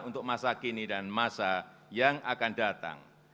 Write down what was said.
untuk masa kini dan masa yang akan datang